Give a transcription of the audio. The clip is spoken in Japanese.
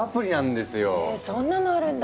ヘそんなのあるんだ！